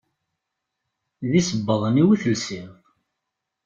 D isebbaḍen-iw i telsiḍ.